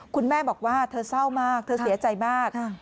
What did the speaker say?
คุณแม่บอกว่าเธอเศร้ามากเธอเสียใจมาก